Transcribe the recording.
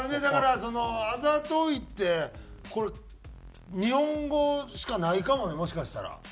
だからそのあざといってこれ日本語しかないかもねもしかしたら。